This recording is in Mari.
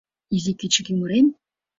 Изи кӱчык умырем.